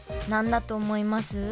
何だと思います？